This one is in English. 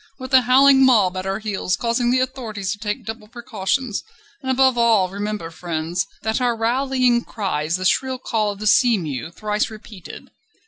with a howling mob at our heels causing the authorities to take double precautions. And above all remember, friends, that our rallying cry is the shrill call of the sea mew thrice repeated.